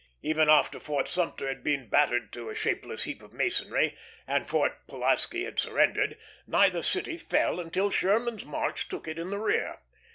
Even after Fort Sumter had been battered to a shapeless heap of masonry, and Fort Pulaski had surrendered, neither city fell until Sherman's march took it in the rear.